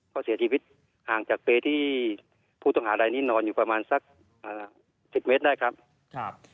เขาเสียชีวิตห่างจากเปรย์ที่ผู้ต้องหารายนี้นอนอยู่ประมาณสักอ่าสิบเมตรได้ครับ